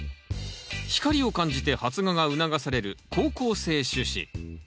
光を感じて発芽が促される好光性種子。